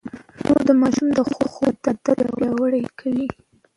مور د ماشوم د خوب عادت پياوړی کوي.